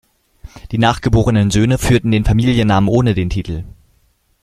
Die nachgeborenen Söhne führten den Familiennamen ohne den Titel.